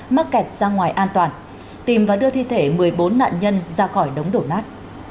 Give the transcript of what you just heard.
mắc kẹt ra ngoài an toàn tìm và đưa thi thể một mươi bốn nạn nhân ra khỏi đống đổ nát